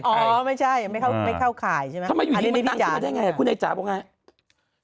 ทำไมอยู่นี้มันตังคุณไอจ๋าได้อย่างไร